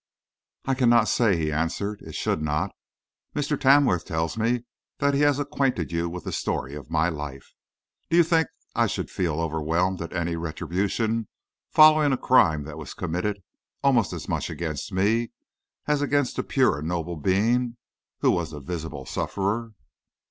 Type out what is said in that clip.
"I cannot say," he answered; "it should not. Mr. Tamworth tells me that he has acquainted you with the story of my life. Do you think I should feel overwhelmed at any retribution following a crime that was committed almost as much against me as against the pure and noble being who was the visible sufferer?"